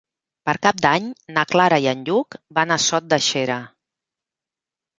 Per Cap d'Any na Clara i en Lluc van a Sot de Xera.